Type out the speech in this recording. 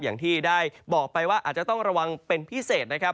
อย่างที่ได้บอกไปว่าอาจจะต้องระวังเป็นพิเศษนะครับ